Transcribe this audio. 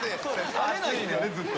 冷めないんだよねずっと。